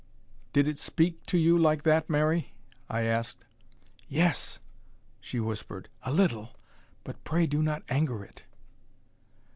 "Did it speak to you like that, Mary?" I asked. "Yes," she whispered. "A little. But pray do not anger it."